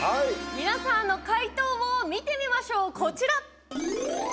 皆さんの解答を見てみましょうこちら！